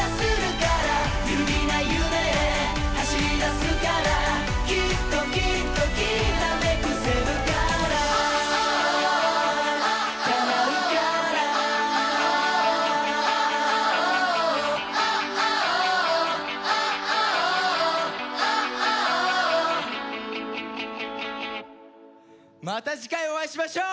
「叶うから．．．」また次回お会いしましょう。